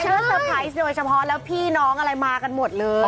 เตอร์ไพรส์โดยเฉพาะแล้วพี่น้องอะไรมากันหมดเลย